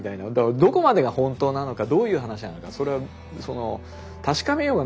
どこまでが本当なのかどういう話なのかそれは確かめようがないですよ。